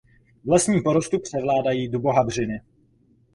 V lesním porostu převládají dubohabřiny.